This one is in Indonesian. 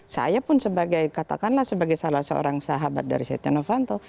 saya pun sebagai katakanlah sebagai salah seorang sahabat dari setia novanto